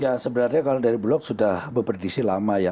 ya sebenarnya kalau dari bulog sudah berperdisi lama ya